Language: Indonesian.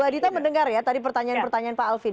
kita mendengar ya tadi pertanyaan pertanyaan pak alvin